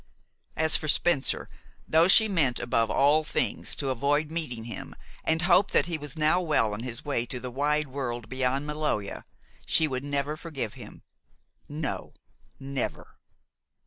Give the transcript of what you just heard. As for Spencer, though she meant, above all things, to avoid meeting him, and hoped that he was now well on his way to the wide world beyond Maloja, she would never forgive him no, never!